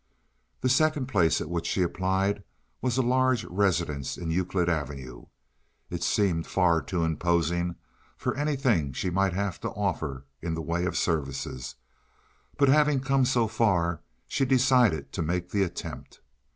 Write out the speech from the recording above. The second place at which she applied was a large residence in Euclid Avenue; it seemed far too imposing for anything she might have to offer in the way of services, but having come so far she decided to make the attempt.